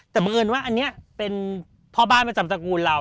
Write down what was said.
แต่บังเอิญว่าอันนี้เป็นพ่อบ้านประจำตระกูลเรา